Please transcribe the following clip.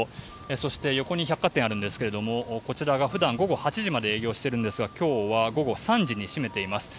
そして、横に百貨店がありますがこちらは普段は午後８時まで営業しているんですが今日は午後３時に閉めています。